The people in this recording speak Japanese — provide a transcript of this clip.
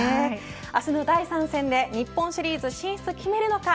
明日の第３戦で日本シリーズ進出を決めるのか。